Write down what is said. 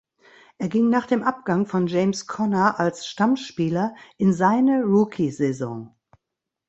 Er ging nach dem Abgang von James Conner als Stammspieler in seine Rookiesaison.